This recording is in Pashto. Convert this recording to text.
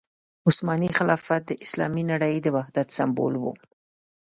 عثماني خلافت د اسلامي نړۍ د وحدت سمبول وو.